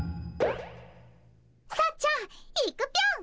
さっちゃんいくぴょん。